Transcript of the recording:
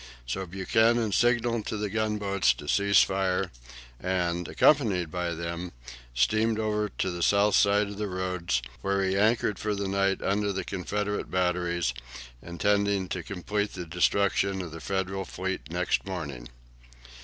So Buchanan signalled to the gunboats to cease fire, and, accompanied by them, steamed over to the south side of the Roads, where he anchored for the night under the Confederate batteries, intending to complete the destruction of the Federal fleet next morning.